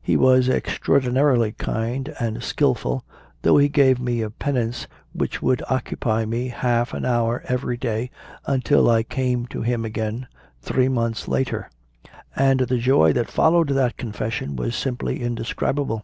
He was extraordinarily kind and skilful, though he gave me a penance which would occupy me half an hour every day until I came to him again, three months after. And the joy that followed that confession was simply inde scribable.